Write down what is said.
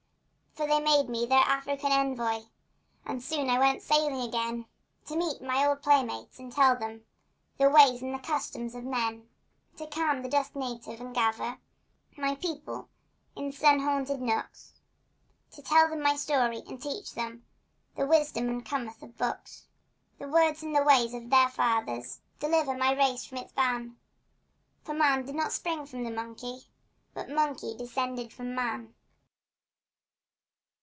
For they made me their African envoy, And soon I went sailing again, To meet my old playmates and tell them The ways and the customs of men. To calm the dusk native, and gather My people in sun haunted nooks To tell them my story, and teach them The wisdom that cometh of books; The words and the ways of their fathers, And deliver my race from its ban, For man did not spring from the monkey, But monkey descended from man!